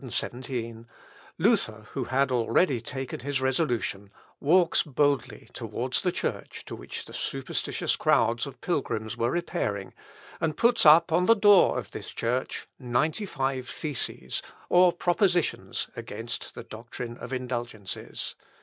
On the 31st of October, 1517, Luther, who had already taken his resolution, walks boldly towards the church to which the superstitious crowds of pilgrims were repairing, and puts up on the door of this church ninety five Theses or propositions against the doctrine of indulgences.